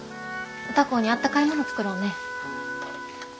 歌子にあったかいもの作ろうねぇ。